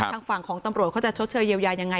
ทางฝั่งของตำรวจเขาจะชดเชยเยียวยายังไง